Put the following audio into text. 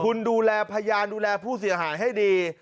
คุณดูแลพยานดูแลผู้เสียหายให้ดี